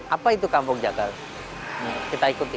apa itu kampung jagal kita ikuti